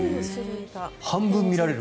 半分見られる。